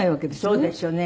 そうですよね。